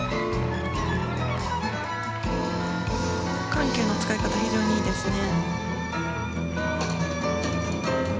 緩急の使い方が非常にいいですね。